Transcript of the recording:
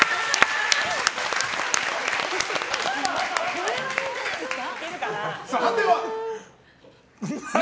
これはいいんじゃないですか。